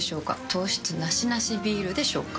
糖質ナシナシビールでしょうか？